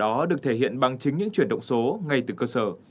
đó được thể hiện bằng chính những chuyển động số ngay từ cơ sở